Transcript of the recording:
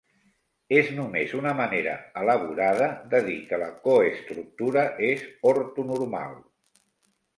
És només una manera elaborada de dir que la coestructura és "ortonormal".